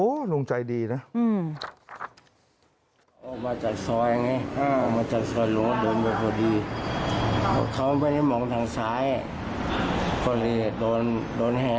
โอ้ลุงใจดีนะ